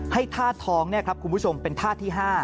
ให้ธาตุทองนะครับคุณผู้ชมเป็นธาตุที่๕